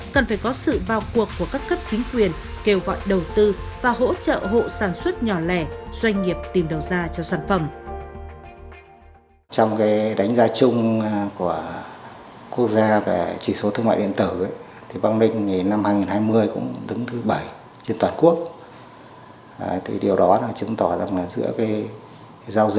cần phải có sự bao cuộc của các cấp chính quyền kêu gọi đầu tư và hỗ trợ hộ sản xuất nhỏ lẻ doanh nghiệp tìm đầu ra cho sản phẩm